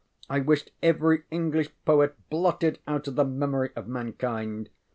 I wished every English poet blotted out of the memory of mankind.